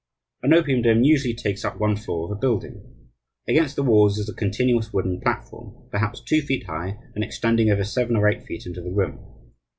An opium den usually takes up one floor of a building. Against the walls is a continuous wooden platform, perhaps two feet high and extending over seven or eight feet into the room.